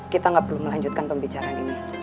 kita nggak perlu melanjutkan pembicaraan ini